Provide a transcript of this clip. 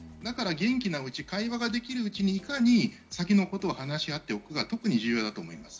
だから元気なうちに会話ができるうちにいかに先のことを話し合っておくのかが特に重要です。